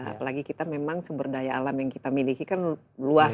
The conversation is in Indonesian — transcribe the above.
apalagi kita memang sumber daya alam yang kita miliki kan luas